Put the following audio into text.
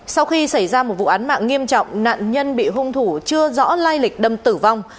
sau khi xảy ra một vụ án mạng nghiêm trọng nạn nhân bị hung thủ chưa rõ lai lịch đâm tử vong